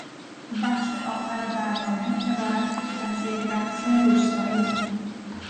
بخش آخر برنامه عبارت بود از یک رقص روستایی.